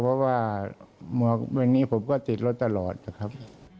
เพราะว่าหมอกวันนี้ผมก็ติดรถตลอดนะครับ